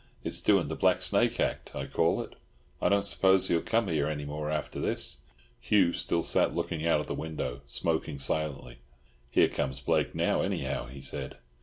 It's doing the black snake act, I call it. I don't suppose he'll come here any more after this." Hugh still sat looking out of the window, smoking silently. "Here comes Blake now, anyhow," he said.